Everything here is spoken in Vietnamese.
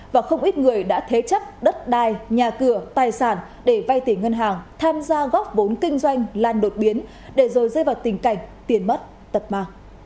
và không ít người đã thế chấp đất đai nhà cửa tài sản để vay tiền ngân hàng tham gia góp vốn kinh doanh lan đột biến để rồi dây vào tình cảnh tiền mất tật mà